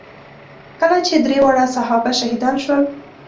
کله چې درې واړه صحابه شهیدان شول.